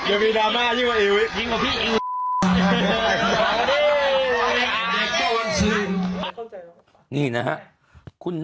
เอ๊ะเดินเดินค่อนกัน